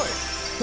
何？